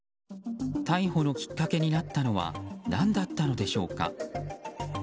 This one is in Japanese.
逮捕のきっかけになったのは何だったのでしょうか。